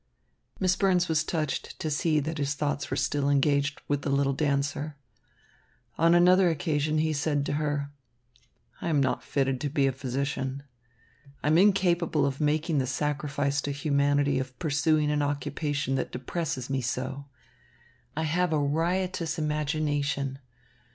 Miss Burns was touched to see that his thoughts were still engaged with the little dancer. On another occasion he said to her: "I am not fitted to be a physician. I am incapable of making the sacrifice to humanity of pursuing an occupation that depresses me so. I have a riotous imagination.